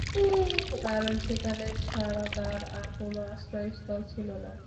কারণ সেখানে ছাড়া তার আর কোন আশ্রয়স্থল ছিল না।